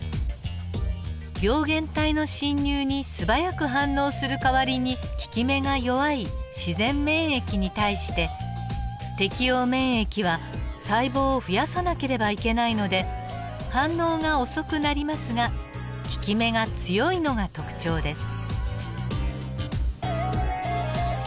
病原体の侵入に素早く反応する代わりに効き目が弱い自然免疫に対して適応免疫は細胞を増やさなければいけないので反応が遅くなりますが効き目が強いのが特徴です。